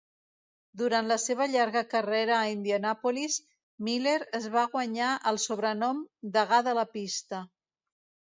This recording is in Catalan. Durant la seva llarga carrera a Indianapolis, Miller es va guanyar el sobrenom "Degà de la pista".